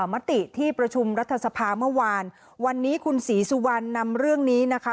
มติที่ประชุมรัฐสภาเมื่อวานวันนี้คุณศรีสุวรรณนำเรื่องนี้นะคะ